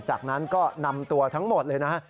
จากนั้นก็นำตัวทั้งหมดเลยนะฮะ